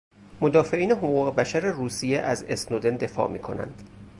مدافعین حقوق بشر روسیه از اسنودن دفاع میکنند.